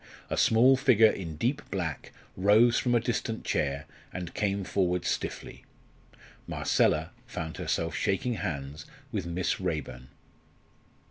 A small figure in deep black rose from a distant chair and came forward stiffly. Marcella found herself shaking hands with Miss Raeburn.